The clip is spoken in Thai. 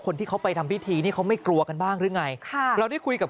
คนที่เขาไปทำพิธีนี่เขาไม่กลัวกันบ้างหรือไงค่ะเราได้คุยกับ